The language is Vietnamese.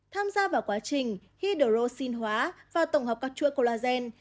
tham gia vào quá trình hydroxin hóa và tổng hợp các chuỗi colagen